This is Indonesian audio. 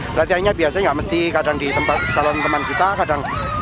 berarti biasanya nggak mesti di salon teman kita kadang di